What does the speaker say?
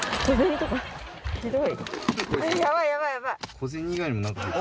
小銭以外にもなんか。